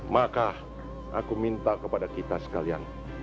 maka aku minta kepada kita sekalian